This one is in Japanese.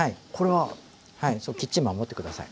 はいそうきっちり守って下さい。